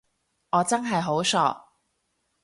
我真係好傻